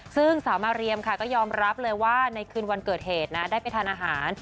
ซึ่งสาวมาเรียมค่ะก็ยอมรับเลยว่าในคืนวันเกิดเหตุนะได้ไปทานอาหาร